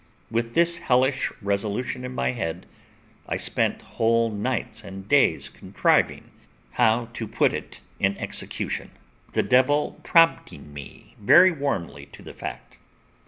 With this hellish resolution in my head, I spent whole nights and days contriving how to put it in execution, the devil prompting me very warmly to the fact.